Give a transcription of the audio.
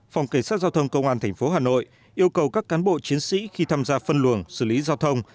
phòng cảnh sát giao thông công an tp hà nội yêu cầu các cán bộ chiến sĩ khi tham gia phân luồng xử lý giao thông